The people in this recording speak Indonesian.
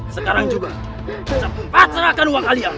sekarang juga sempat serahkan uang kalian